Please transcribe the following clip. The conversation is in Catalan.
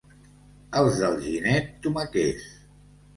Els d'Alginet, tomaquers.